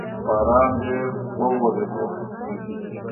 باران ډیر اوورېدو